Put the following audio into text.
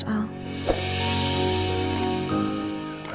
ibu mau duluan